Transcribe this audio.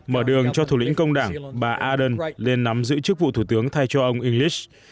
mở đường cho thủ lĩnh công đảng bà aden lên nắm giữ chức vụ thủ tướng thay cho ông english